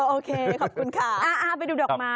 โอเคขอบคุณค่ะ